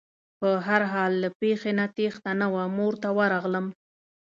په هر حال له پېښې نه تېښته نه وه مور ته ورغلم.